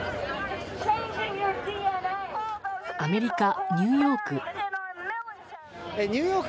アメリカ・ニューヨーク。